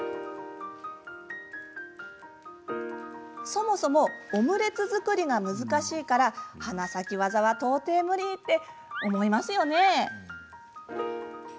そもそもオムレツ作りが難しいから、花咲き技は到底無理って思いますよね。